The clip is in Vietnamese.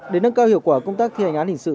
để nâng cao hiệu quả công tác thi hành án hình sự